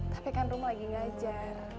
tapi kan rumah lagi ngajar